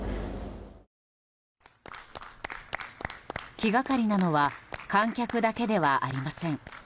気がかりなのは観客だけではありません。